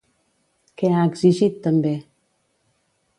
Què ha exigit, també?